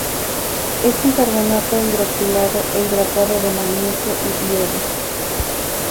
Es un carbonato hidroxilado e hidratado de magnesio y hierro.